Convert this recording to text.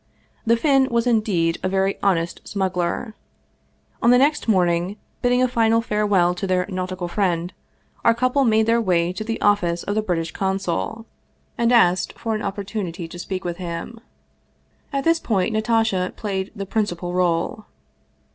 The Finn was indeed a very honest smuggler. On the next morning, bid ding a final farewell to their nautical friend, our couple made their way to the office of the British Consul, and asked 204 Vsevolod Vladimir "witch Krcstovski for an opportunity to speak with him. At this point Na tasha played the principal role.